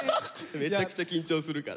めちゃくちゃ緊張するから。